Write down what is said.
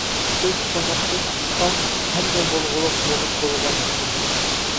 كۆز چاناقتىن چىققان، ھەممە بولغۇلۇق بولۇپ بولغان ئىدى.